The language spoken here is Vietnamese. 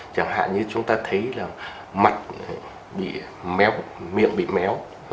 chẳng hạn như chúng ta thấy là mặt bị méo miệng bị méo